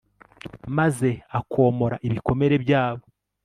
maze akomora ibikomere byabo